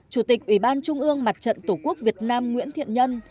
chủ tịch ủy ban trung ương mặt trận tổ quốc việt nam nguyễn thiện nhân